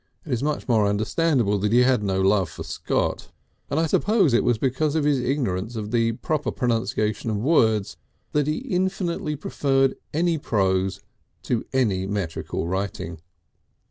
It is much more understandable that he had no love for Scott. And I suppose it was because of his ignorance of the proper pronunciation of words that he infinitely preferred any prose to any metrical writing.